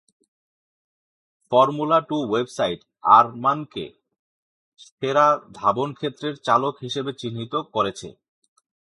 Formula Two website আরমানকে "সেরা ধাবনক্ষেত্রের চালক" হিসেবে চিহ্নিত করেছে।